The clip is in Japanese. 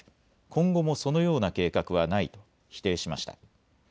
今後もそのような計画はないと否定しました。